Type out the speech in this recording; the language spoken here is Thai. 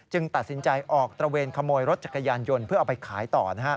ตัดสินใจออกตระเวนขโมยรถจักรยานยนต์เพื่อเอาไปขายต่อ